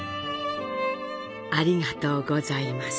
ありがとうございます。